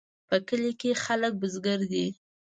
په کلي کې خلک بزګر دي